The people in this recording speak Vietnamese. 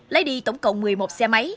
lấy đi tổng cộng một mươi một xe máy